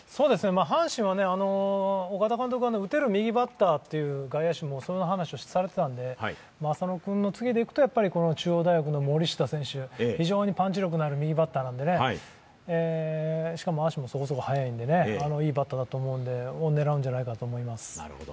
阪神は岡田監督が打てる右バッター外野手という話をされていたので浅野君の次でいくと、中央大学の森下選手、非常にパンチ力のある右バッターなので、しかも足もそもそも速い選手なので、いいバッターだと思うので狙うんじゃないかと思います。